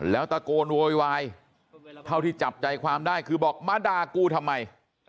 แล้วตะโกนโวยวายเท่าที่จับใจความได้คือบอกมาด่ากูทำไม